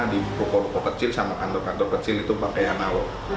di ruko ruko kecil sama kantor kantor kecil itu pakai analog